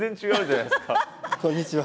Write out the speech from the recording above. こんにちは。